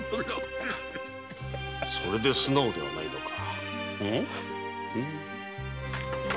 それで素直ではないのか。